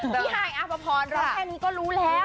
พี่หายอาภพรแล้วแค่นี้ก็รู้แล้ว